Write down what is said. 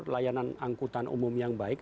layanan angkutan umum yang baik